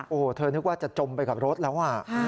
โอ้โหเธอนึกว่าจะจมไปกับรถแล้ว